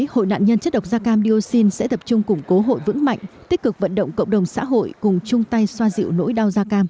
hội nạn nhân chất độc da cam diocin tỉnh hải dương đã có nhiều hoạt động thiết thực và ý nghĩa